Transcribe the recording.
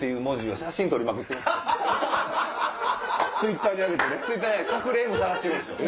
Ｔｗｉｔｔｅｒに上げてね。